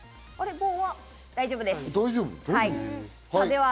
大丈夫です。